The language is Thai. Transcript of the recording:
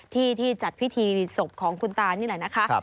ที่ที่จัดพิธีศพของคุณตานี่แหละนะคะ